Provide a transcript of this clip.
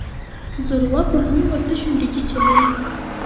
زورواکو هم ورته شونډې چیچلې.